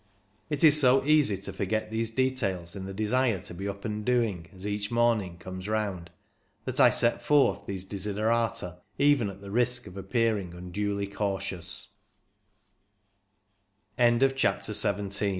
It is so easy to forget these details in the desire to be up and doing as each morning comes round, that I set forth these desiderata even at the risk of appearing unduly cauti